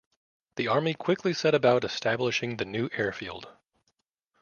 The Army quickly set about establishing the new air field.